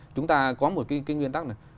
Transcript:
chúng ta có một cái nguyên tắc này